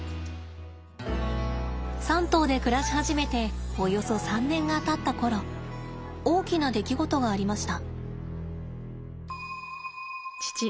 ３頭で暮らし始めておよそ３年がたった頃大きな出来事がありました。